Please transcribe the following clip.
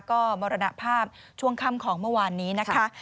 ก็มรณภาพช่วงค่ำของเมื่อวานนี้นะคะ